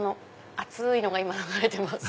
熱いのが今流れてます。